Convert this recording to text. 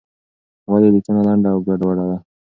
ولې لیکنه لنډه او ګډوډه ده؟